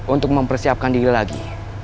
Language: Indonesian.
untuk mempersiapkan diri lagi